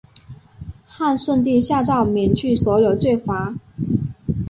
汉顺帝下诏免去所有罪罚。